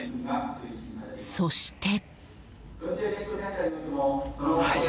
そして。